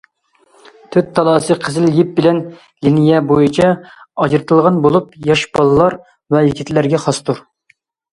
تۆت تالاسى قىزىل يىپ بىلەن لىنىيە بويىچە ئاجرىتىلغان بولۇپ ياش بالىلار ۋە يىگىتلەرگە خاستۇر.